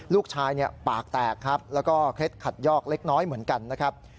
ลูกชายปากแตกครับแล้วก็เคล็ดขัดยอกเล็กน้อยเหมือนกันนะครับ